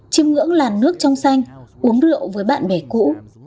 chim ngưỡng làn nước trong xanh uống rượu với bạn bè cũ